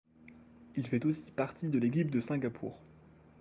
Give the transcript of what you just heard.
Il fait aussi partie de l'équipe de Singapour.